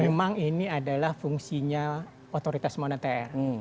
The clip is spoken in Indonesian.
memang ini adalah fungsinya otoritas moneter